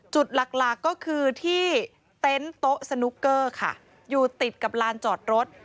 จุดหลักหลักก็คือที่เต็นต์โต๊ะสนุกเกอร์ค่ะอยู่ติดกับลานจอดรถ